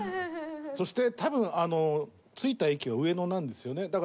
そして、多分、着いた駅は上野なんですよね。